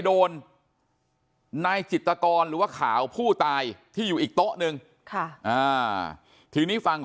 โดนนายจิตกรหรือว่าขาวผู้ตายที่อยู่อีกโต๊ะนึงค่ะอ่าทีนี้ฝั่ง